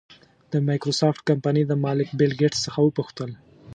د مایکروسافټ کمپنۍ د مالک بېل ګېټس څخه وپوښتل.